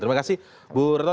terima kasih bu reto